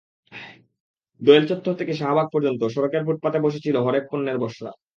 দোয়েল চত্বর থেকে শাহবাগ পর্যন্ত সড়কের ফুটপাতে বসেছিল হরেক পণ্যের পসরা।